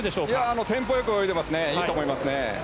テンポ良く泳いでいていいと思います。